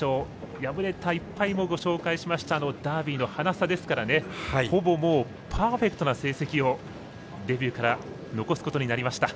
敗れた１敗も、ご紹介しましたダービーのハナ差ですからほぼパーフェクトな成績をデビューから残すことになりました。